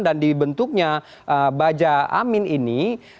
dan dibentuknya baja amin ini